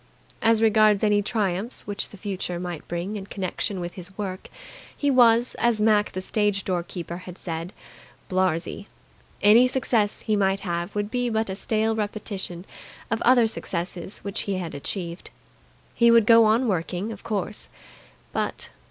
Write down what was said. As regards any triumphs which the future might bring in connection with his work, he was, as Mac the stage door keeper had said, "blarzy". Any success he might have would be but a stale repetition of other successes which he had achieved. He would go on working, of course, but